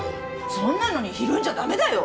そんなのにひるんじゃ駄目だよ！